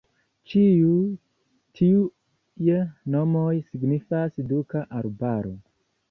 Ĉiuj tiuj nomoj signifas "Duka Arbaro".